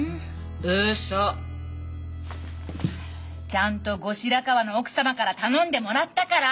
ちゃんと後白河の奥様から頼んでもらったから！